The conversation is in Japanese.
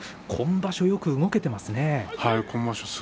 今場所よく動けていますね。